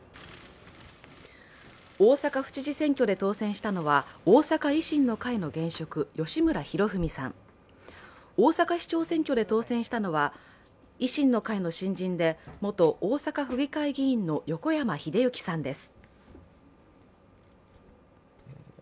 大阪府知事選挙で当選したのは大阪維新の会の現職、吉村洋文さん、大阪市長選挙で当選したのは維新の会の新人で元大阪府議会議員の横山英幸さんです。